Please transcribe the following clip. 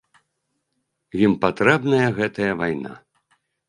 Ім патрэбная гэтая вайна.